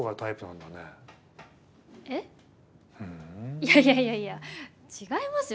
いやいやいやいや違いますよ。